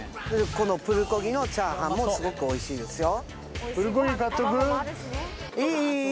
プルコギのチャーハンもすごくおいしいですよ。